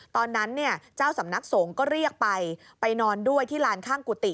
ตอนนั้นเนี่ยเจ้าสำนักสงฆ์ก็เรียกไปไปนอนด้วยที่ลานข้างกุฏิ